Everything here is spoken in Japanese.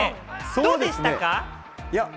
どうでしたか？